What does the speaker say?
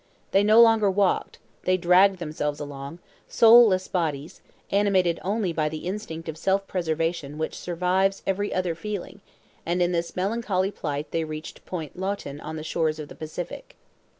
They no longer walked, they dragged themselves along, soulless bodies, animated only by the instinct of self preservation which survives every other feeling, and in this melancholy plight they reached Point Lottin on the shores of the Pacific.